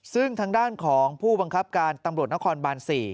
ซึ่งทางด้านของผู้บังคับการตำรวจนครบาน๔